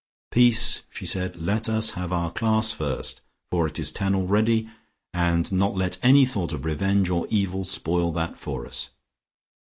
"Peace!" she said. "Let us have our class first, for it is ten already, and not let any thought of revenge or evil spoil that for us.